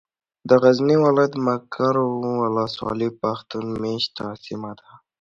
د غزني ولايت ، مقر ولسوالي پښتون مېشته سيمه ده.